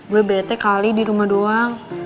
gue bete kali dirumah doang